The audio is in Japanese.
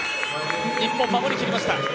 日本、守り切りました。